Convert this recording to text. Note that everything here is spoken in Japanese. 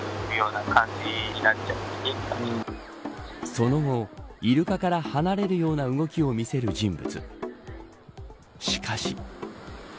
その後、イルカから離れるような動きを見せる人物。